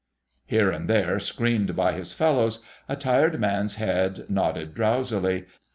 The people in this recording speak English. Here and there, screened by his fellows, a tired man's head nodded drowsily.